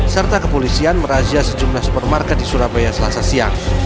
serta kepolisian merazia sejumlah supermarket di surabaya selasa siang